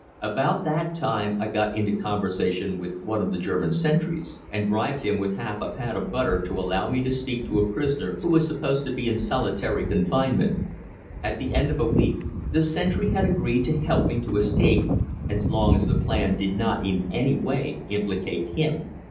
About that time I got into conversation with one of the German sentries, and bribed him with half a pat of butter to allow me to speak to a prisoner who was supposed to be in solitary confinement. At the end of a week the sentry had agreed to help me to escape, as long as the plan did not in any way implicate him.